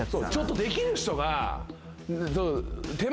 できる人が。